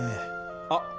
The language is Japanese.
あっ！